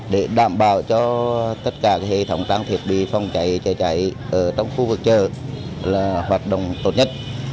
để đảm bảo cho tất cả các hệ thống trang thiết bị phòng cháy cháy cháy trong khu vực chợ hoạt động tốt nhất